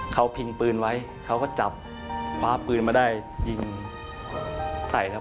เขาพิงปืนไว้เขาก็จับคว้าปืนมาได้ยิงใส่ครับ